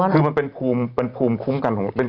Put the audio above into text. คือมันเป็นภูมิคุ้มกัน